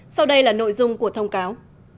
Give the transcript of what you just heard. sau đây là nội dung của thông cáo